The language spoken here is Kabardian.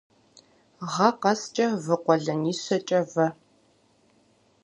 Гъэ къэскӏэ вы къуэлэнищэкӏэ вэ.